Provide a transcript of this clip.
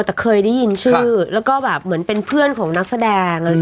แต่เคยได้ยินชื่อแล้วก็แบบเหมือนเป็นเพื่อนของนักแสดง